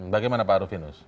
bagaimana pak arufinus